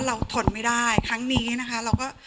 เราถนไม่ได้ครั้งนี้นะคะแล้วก็